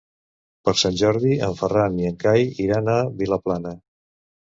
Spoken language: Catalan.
Per Sant Jordi en Ferran i en Cai iran a Vilaplana.